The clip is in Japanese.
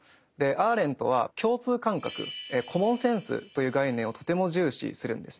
アーレントは共通感覚コモンセンスという概念をとても重視するんですね。